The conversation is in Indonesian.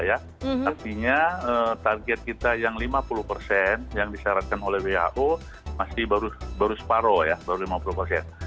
artinya target kita yang lima puluh persen yang disyaratkan oleh who masih baru separoh ya baru lima puluh persen